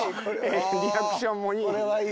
リアクションもいいね。